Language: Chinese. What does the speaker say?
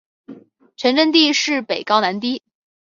全镇地势北高南低。